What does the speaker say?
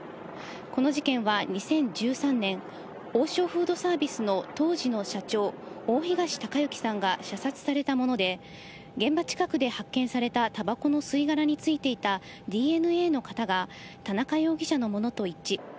この事件は２０１３年、王将フードサービスの当時の社長、大東隆行さんが射殺されたもので、現場近くで発見されたたばこの吸い殻に付いていたＤＮＡの型が、田中容疑者のものと一致。